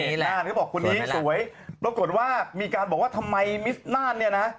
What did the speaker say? น่านเขาบอกคนนี้สวยปรากฏว่ามีการบอกว่าทำไมมิสน่านเนี่ยนะ